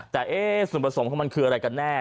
แต่ส่วนผสมของมันคืออะไรกันแน่